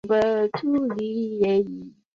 该陨坑与月谷一起形成一片下凹的洼地。